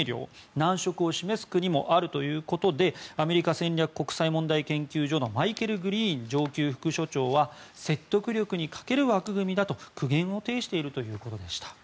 難色を示す国もあるということでアメリカ戦略国際問題研究所のマイケル・グリーン上級副所長は説得力に欠ける枠組みだと苦言を呈しているということでした。